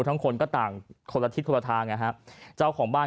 ทั้งคนก็ต่างคนละทิศคนละทางนะฮะเจ้าของบ้าน